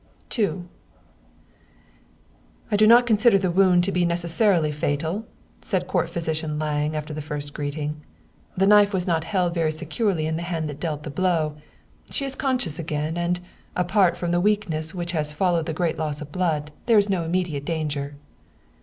II " I DO not consider the wound to be necessarily fatal," said Court Physician Lange, after the first greeting. " The knife was not held very securely in the hand that dealt the blow. She is conscious again, and, apart from the weak ness which has followed the great loss of blood, there is no immediate danger."